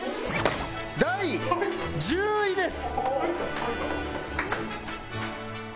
第１０位です。